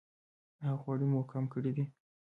ایا غوړي مو کم کړي دي؟